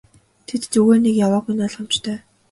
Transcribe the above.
Тэд зүгээр нэг яваагүй нь ойлгомжтой.